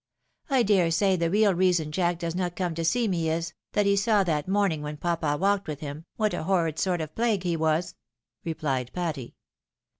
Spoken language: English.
I dare say the real reason Jack does not come to see me is, that he saw that morn ing when papa walked with him, what a horrid sort of plague he was," replied Patty.